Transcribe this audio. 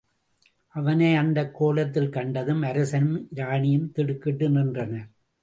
அவனை அந்தக் கோலத்தில் கண்டதும் அரசனும் இராணியும் திடுக்கிட்டு நின்றனர்.